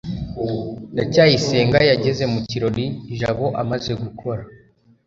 ndacyayisenga yageze mu kirori jabo amaze gukora